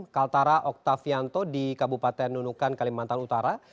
kaltara okta fianto di kabupaten nunukan kalimantan utara